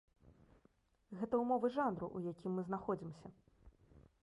Гэта ўмовы жанру, у якім мы знаходзімся.